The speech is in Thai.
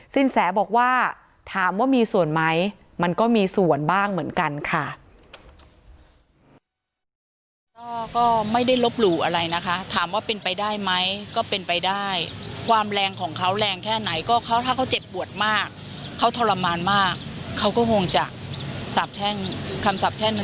สินแสบอกว่าถามว่ามีส่วนไหมมันก็มีส่วนบ้างเหมือนกันค่ะ